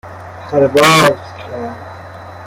پرواز کرد